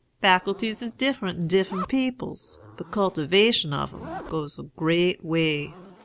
Faculties is different in different peoples; but cultivation of 'em goes a great way.'